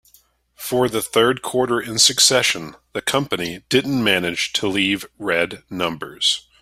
For the third quarter in succession, the company didn't manage to leave red numbers.